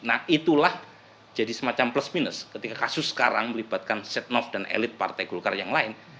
nah itulah jadi semacam plus minus ketika kasus sekarang melibatkan setnov dan elit partai golkar yang lain